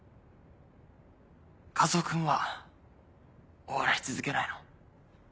和男君はお笑い続けないの？